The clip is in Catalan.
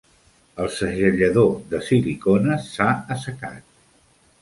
El segellador de silicona s'ha assecat.